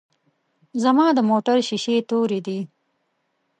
ځما دموټر شیشی توری دی.